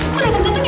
bu dateng dateng ya